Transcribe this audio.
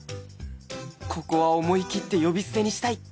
ここは思い切って呼び捨てにしたい！